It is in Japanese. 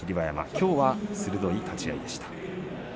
きょうは鋭い立ち合いでした。